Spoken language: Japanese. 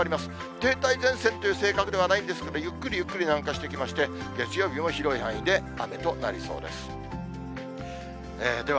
停滞前線という性格ではないんですが、ゆっくりゆっくり南下してきまして、月曜日も広い範囲で雨となりそうです。